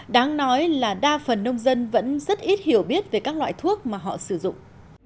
đáng nói là đa phần nông dân vẫn rất ít hiểu biết về các loại thuốc mà họ sử dụng